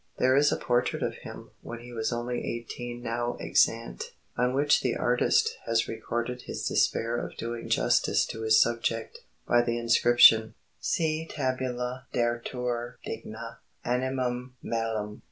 There is a portrait of him when he was only eighteen now extant, on which the artist has recorded his despair of doing justice to his subject, by the inscription, 'Si tabula daretur digna, animum mallem.